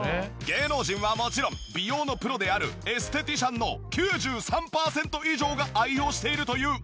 芸能人はもちろん美容のプロであるエステティシャンの９３パーセント以上が愛用しているというアイテムです。